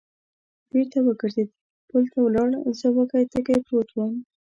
بېرته و ګرځېد، پل ته ولاړ، زه وږی تږی پروت ووم.